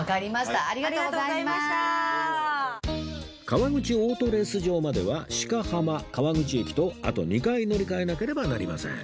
川口オートレース場までは鹿浜川口駅とあと２回乗り換えなければなりません